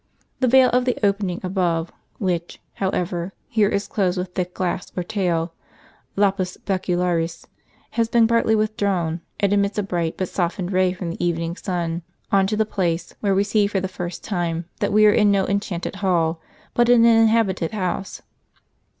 The veil of the opening above, which, however, here is closed with thick glass or talc {lapis speculmns), has been partly withdrawn, and admits a bright but softened ray from the evening sun on to the place, where we see, for the first time, that we are in no enchanted hall, but in an inhabited house.